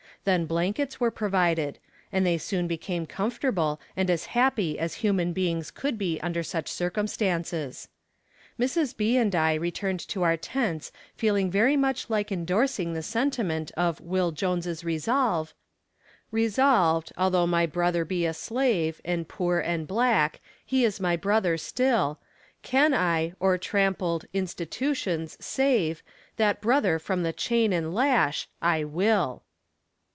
Then blankets were provided, and they soon became comfortable, and as happy as human beings could be under such circumstances. Mrs. B. and I returned to our tents feeling very much like indorsing the sentiment of "Will Jones' resolve:" Resolved, although my brother be a slave, And poor and black, he is my brother still; Can I, o'er trampled "institutions," save That brother from the chain and lash, I will.